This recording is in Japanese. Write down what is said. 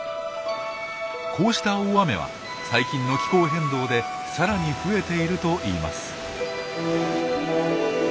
こうした大雨は最近の気候変動でさらに増えているといいます。